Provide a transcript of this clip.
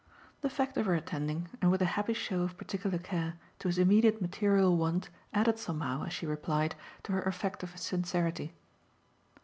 The fact of her attending and with a happy show of particular care to his immediate material want added somehow, as she replied, to her effect of sincerity.